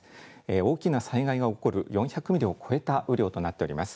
大きな災害が起こる４００ミリを超えた雨量となっております。